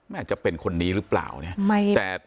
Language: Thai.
อาจจะเป็นคนนี้หรือเปล่าเนี่ย